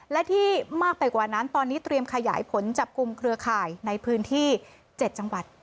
และที่มากไปกว่านั้นตอนนี้เตรียมขยายผลจับกลุ่มเครือข่ายในพื้นที่๗จังหวัด